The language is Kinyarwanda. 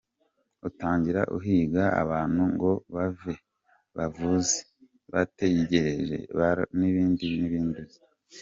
Utangira guhiga abantu ngo bavuze, batekereje, barose n’ibindi n’ibindi uzi.